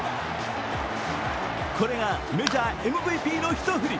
これがメジャーＭＶＰの一振り。